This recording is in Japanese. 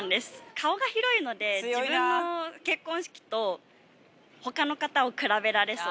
顔が広いので、自分の結婚式とほかの方を比べられそう。